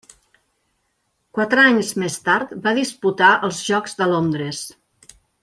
Quatre anys més tard va disputar els Jocs de Londres.